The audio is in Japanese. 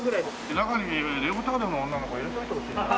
中に見えるようにレオタードの女の子入れておいてほしいな。